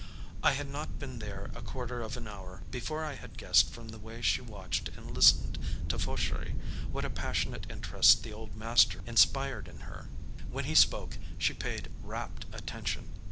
I had not been there a quarter of an hour before I had guessed from the way she watched and listened to Fauchery what a passionate interest the old master inspired in her. When he spoke she paid rapt attention.